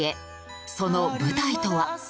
その舞台とは？